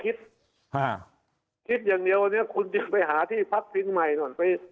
คิดคิดอย่างเดียววันนี้คุณจะไปหาที่พักพิงใหม่หน่อยไป